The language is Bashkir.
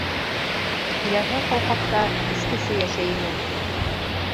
Киләһе ҡауҡабта эскесе йәшәй ине.